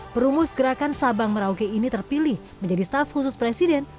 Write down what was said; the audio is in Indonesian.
perumus gerakan sabang merauke ini terpilih untuk menjadi seorang milenial yang berpikir kritis